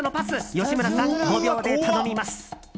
吉村さん、５秒で頼みます。